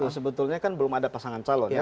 sebetulnya kan belum ada pasangan calon ya